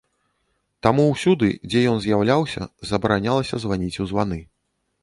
Таму ўсюды, дзе ён з'яўляўся, забаранялася званіць у званы.